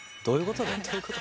どういうことだ？